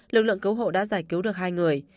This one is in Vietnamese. lực lượng cứu hộ đã giải cứu được hai người